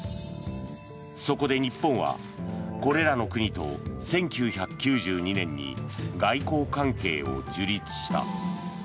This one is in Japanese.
そこで日本は、これらの国と１９９２年に外交関係を樹立した。